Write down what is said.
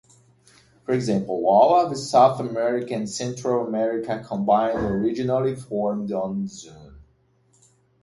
For example, all of South America and Central America combined originally formed one zone.